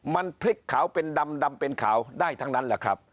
มันพลิกขาวเป็นดำเป็นขาวได้ทั้งนั้นแหละครับ